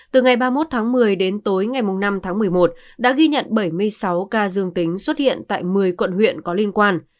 tháng một mươi đến tối ngày năm tháng một mươi một đã ghi nhận bảy mươi sáu ca dương tính xuất hiện tại một mươi quận huyện có liên quan